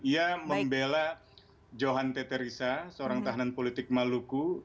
ia membela johan teterisa seorang tahanan politik maluku